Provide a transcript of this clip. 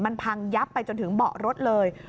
มันพังยับไปจนถึงเบาะรถเลย